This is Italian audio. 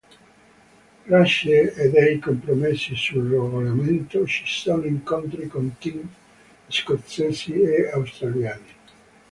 Grazie a dei compromessi sul regolamento ci sono incontri con team scozzesi e australiani.